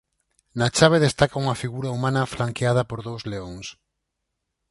Na chave destaca unha figura humana flanqueada por dous leóns.